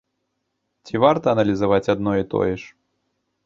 Ці варта аналізаваць адно і тое ж?